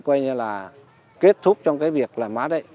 coi như là kết thúc trong cái việc làm má đấy